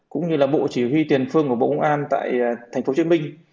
cũng như là bộ chỉ huy tiền phương của bộ công an tại tp hcm